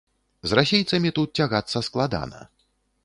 З расейцамі тут цягацца складана.